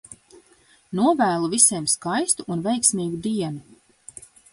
Novēlu visiem skaistu un veiksmīgu dienu!